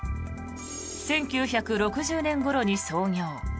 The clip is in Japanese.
１９６０年ごろに創業。